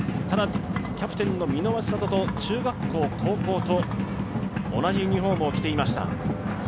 ただ、キャプテンの箕輪千慧と中学校、高校と同じユニフォームを着ていました。